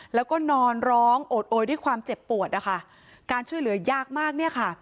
แล้วก็นอนร้องโอดโอยด้วยความเจ็บปวดนะคะการช่วยเหลือยากมากเนี่ยค่ะ